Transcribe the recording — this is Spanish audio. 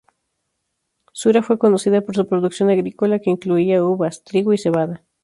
Sura fue conocida por su producción agrícola, que incluía uvas, trigo y cebada.